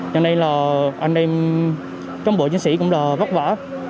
cho nên là anh em trong bộ chiến sĩ cũng đã vất vả